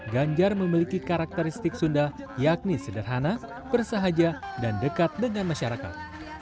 ganjar memiliki karakteristik sunda yakni sederhana bersahaja dan dekat dengan masyarakat